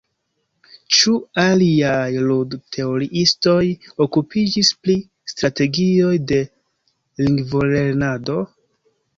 Ĉu aliaj lud-teoriistoj okupiĝis pri strategioj de lingvolernado?